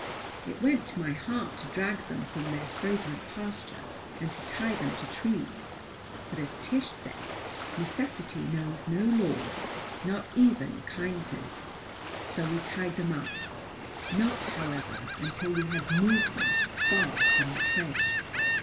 It went to my heart to drag them from their fragrant pasture and to tie them to trees. But, as Tish said, "Necessity knows no law," not even kindness. So we tied them up. Not, however, until we had moved them far from the trail.